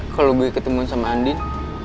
kalau gue ketemu sama andin